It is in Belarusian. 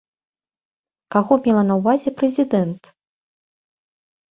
Каго мела на ўвазе прэзідэнт?